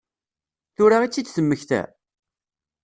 Tura i tt-id-temmekta?